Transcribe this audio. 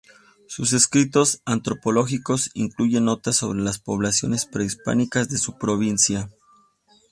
Sus escritos antropológicos incluyen notas sobre las poblaciones prehispánicas de su provincia.